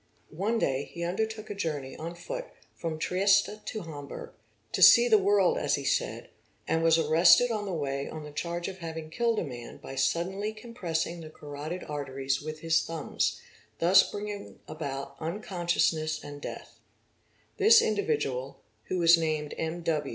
One day he undertook a journey on foot from Trieste to | Hamburg—to see the world as he said—and was arrested on the way on the charge of having killed a man by suddenly compressing the carotid arteries with his thumbs, thus bringing about unconsciousness and death ", This individual, who was named M.